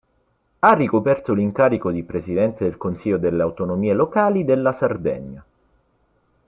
Ha ricoperto l'incarico di Presidente del Consiglio delle Autonomie Locali della Sardegna.